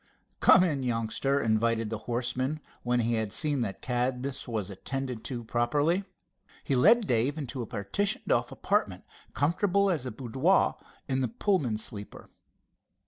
"Come in, youngster," invited the horseman, when he had seen that Cadmus was attended to properly. He led Dave into a partitioned off apartment, comfortable as a boudoir in the Pullman sleeper.